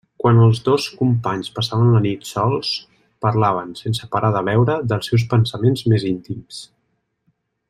Quan els dos companys passaven la nit sols, parlaven, sense parar de beure, dels seus pensaments més íntims.